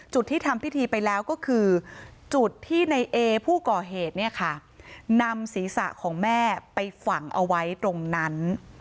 ที่ทำพิธีไปแล้วก็คือจุดที่ในเอผู้ก่อเหตุเนี่ยค่ะนำศีรษะของแม่ไปฝังเอาไว้ตรงนั้น